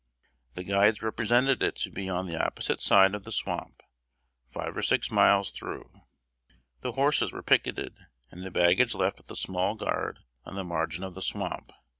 The guides represented it to be on the opposite side of the swamp, five or six miles through. The horses were picketed, and the baggage left with a small guard on the margin of the swamp.